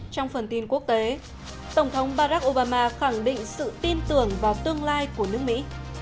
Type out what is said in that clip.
trong phần tin quốc tế tổng thống barack obama khẳng định sự tin tưởng vào tương lai của nước mỹ